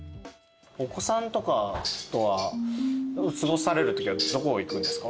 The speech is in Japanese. お子さんとかとは過ごされるときはどこ行くんですか？